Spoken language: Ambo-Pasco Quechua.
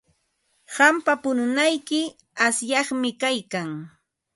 Qampa pununayki asyaqmi kaykan.